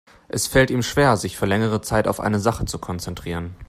Es fällt ihm schwer, sich für längere Zeit auf eine Sache zu konzentrieren.